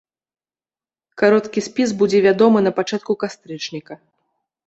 Кароткі спіс будзе вядомы напачатку кастрычніка.